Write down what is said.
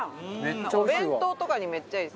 お弁当とかにめっちゃいいですね。